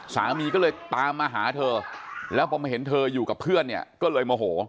สามีก็เลยตามมาหาเธอแล้วพอมาเห็นเธออยู่กับเพื่อนเนี่ยก็เลยโมโห